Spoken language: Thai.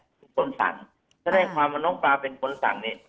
เป็นคนสั่งแสดงความว่าน้องปลาเป็นคนสั่งนี่